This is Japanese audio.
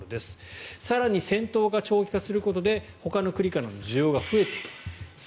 更に戦闘が長期化することでほかの国からの需要が増えている。